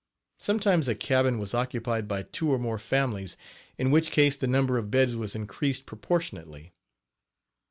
Sometimes a cabin was occupied by two or more families, in which case the number of beds was increased proportionately.